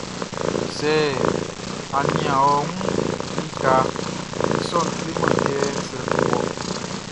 Sɛ a nian ɔ wun likaʼn, i sɔʼn kleman kɛ srɛ kun wɔ.